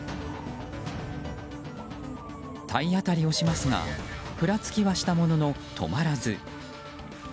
体当たりをしますがふらつきはしたものの、止まらず。